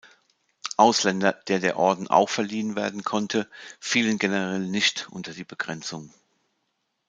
Ausländer, der der Orden auch verliehen werden konnte, fielen generell nicht unter die Begrenzung.